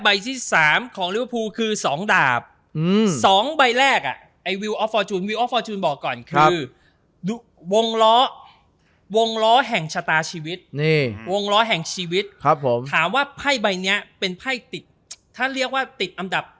อ่ะก็คืออาจจะมองด้วยว่า